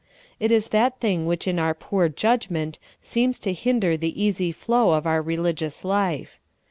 It is that thing which in our poor judgment seems to hinder the easy flow of our religious life.